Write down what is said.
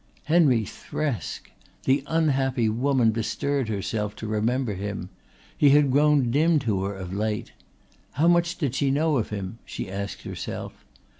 Henry Thresk! The unhappy woman bestirred herself to remember him. He had grown dim to her of late. How much did she know of him? she asked herself.